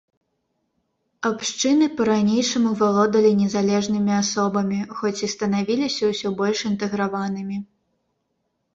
Абшчыны па-ранейшаму валодалі незалежнымі асобамі, хоць і станавіліся ўсё больш інтэграванымі.